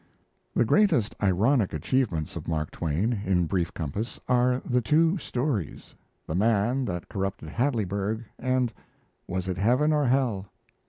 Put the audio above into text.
The greatest ironic achievements of Mark Twain, in brief compass, are the two stories: 'The Man that Corrupted Hadleyburg' and 'Was it Heaven or Hell'?